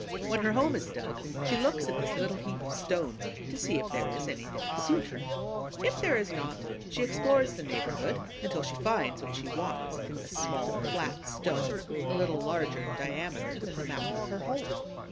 When her home is dug, she looks at this little heap of stones to see if there is any there to suit her. If there is not, she explores the neighborhood until she finds what she wants, a small flat stone a little larger in diameter than the mouth of her hole.